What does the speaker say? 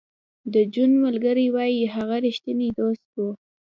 د جون ملګري وایی هغه رښتینی دوست و